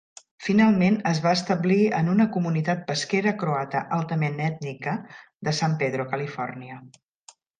Finalment es va establir en una comunitat pesquera croata altament ètnica de San Pedro, Califòrnia.